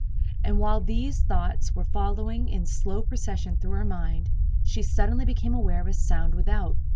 And while these thoughts were following in slow procession through her mind she suddenly became aware of a sound without.